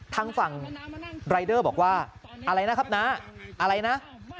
ทางฝั่งรายเดอร์บอกว่าอะไรนะครับน้าอะไรนะ